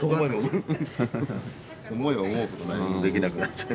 思えば思うほど何もできなくなっちゃう。